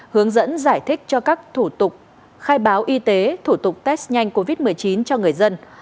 hướng dẫn giải thích cho các thủ tục khai báo y tế thủ tục test nhanh covid một mươi chín cho người dân